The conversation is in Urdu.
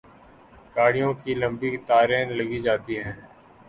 گاڑیوں کی لمبی قطاریں لگ جاتی ہیں۔